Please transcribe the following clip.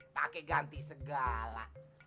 pake ganti segala